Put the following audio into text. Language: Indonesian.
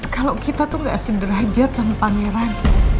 kalau kita tuh gak sederajat sama pangeran